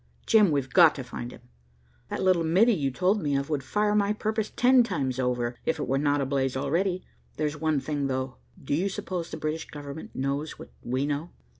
Jim, we've got to find him. That little middy you told me of would fire my purpose ten times over, if it were not ablaze already. There's one thing though, do you suppose the British government knows what we know?"